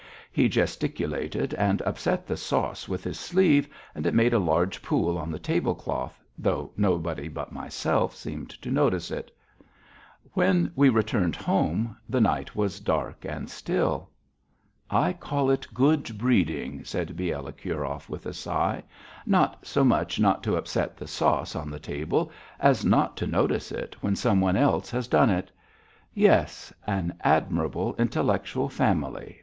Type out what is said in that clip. He gesticulated and upset the sauce with his sleeve and it made a large pool on the table cloth, though nobody but myself seemed to notice it. When we returned home the night was dark and still. "I call it good breeding," said Bielokurov, with a sigh, "not so much not to upset the sauce on the table, as not to notice it when some one else has done it. Yes. An admirable intellectual family.